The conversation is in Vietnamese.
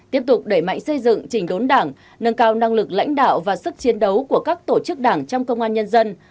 tiếp tục đẩy mạnh xây dựng trình đốn đảng nâng cao năng lực lãnh đạo và sức chiến đấu của các tổ chức đảng trong công an nhân dân